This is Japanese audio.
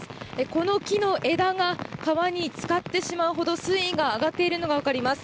この木の枝が川に漬かってしまうほど水位が上がっているのが分かります。